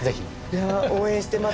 いや応援してます。